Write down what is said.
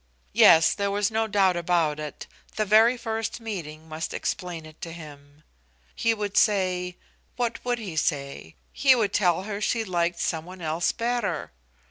Yes, there was no doubt about it, the very first meeting must explain it to him. He would say what would he say? He would tell her she liked some one else better.